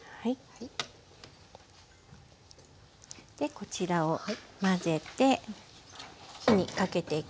こちらを混ぜて火にかけていきます。